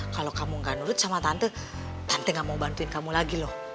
kalau kamu gak nurut sama tante tante gak mau bantuin kamu lagi loh